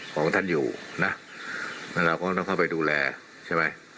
ของท่านอยู่นะแล้วเราก็ต้องเข้าไปดูแลใช่ไหม